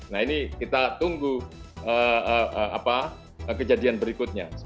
nah ini kita tunggu kejadian berikutnya